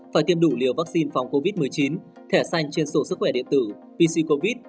phải tiêm đủ liều vaccine phòng covid một mươi chín thẻ xanh trên sổ sức khỏe điện tử pc covid